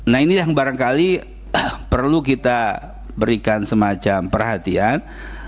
nah ini yang barangkali perlu kita berikan semacam perhatian